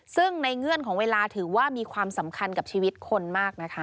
ซึ่งในเงื่อนของเวลาถือว่ามีความสำคัญกับชีวิตคนมากนะคะ